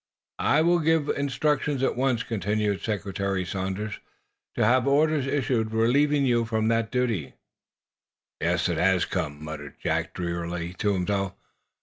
"I will give instructions at once," continued Secretary Sanders, "to have orders issued relieving you from that duty." "Yes; it has come," muttered Jack, drearily, to himself.